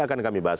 akan kami bahas